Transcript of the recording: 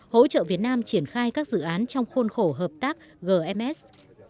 hỗ trợ việt nam triển khai các dự án trong khuôn khổ hợp tác gms